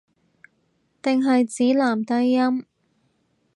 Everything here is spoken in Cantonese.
定係指男低音